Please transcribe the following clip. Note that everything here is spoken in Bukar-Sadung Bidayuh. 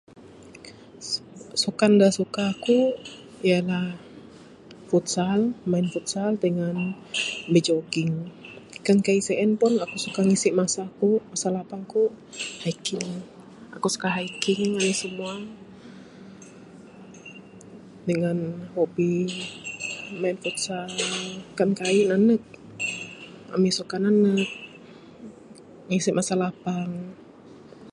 Sukan da suka aku ialah futsal main futsal dangan bijogging, kan kaik sien pun aku akan ngisi masa aku masa lapang ku hiking. Aku suka hiking anih semua dangan hobi main futsal. Kan kaik nanek ami suka nanek ngisi masa lapang.